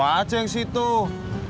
tapi enda harus untuk